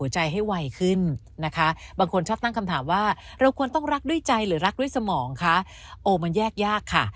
ชอบตั้งคำถามว่าเราควรต้องรักด้วยใจหรือรักด้วยสมองคะโอ้มันแยกยากค่ะ